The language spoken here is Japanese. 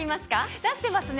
出してますね。